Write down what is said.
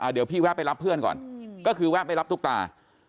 เดี๋ยวพี่แวะไปรับเพื่อนก่อนก็คือแวะไปรับตุ๊กตา